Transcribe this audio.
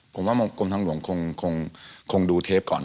ผมว่ากรมทางหลวงคงดูเทปก่อน